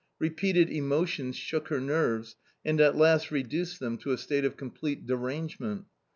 Repeated emotions shook her nerves, and at last reduced them to a state of complete derangement.